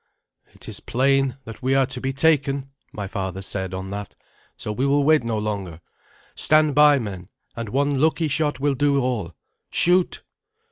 "It is plain that we are to be taken," my father said on that, "so we will wait no longer. Stand by, men, and one lucky shot will do all. Shoot!"